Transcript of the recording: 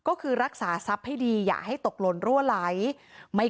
ก็เป็นเรื่องของความศรัทธาเป็นการสร้างขวัญและกำลังใจ